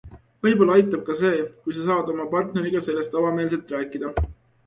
Võib-olla aitab ka see, kui sa saad oma partneriga sellest avameelselt rääkida.